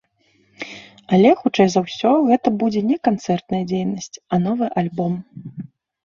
Але, хутчэй за ўсё, гэта будзе не канцэртная дзейнасць, а новы альбом.